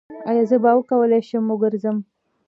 ایا زه به وکولی شم وګرځم؟